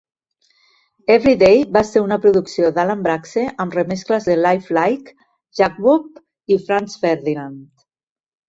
"Everyday" va ser una producció d'Alan Braxe amb remescles de LifeLike, Jakwob, i Franz Ferdinand.